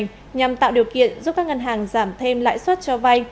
nhằm tạo điều kiện giúp các ngân hàng giảm thêm lãi suất cho vay